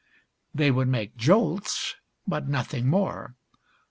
They would make jolts, but nothing more.